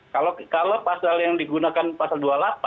kalau pasal yang digunakan pasal dua puluh delapan